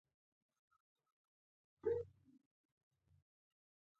دغه پروګرامونه ټولې نړۍ ته پراختیايي دي.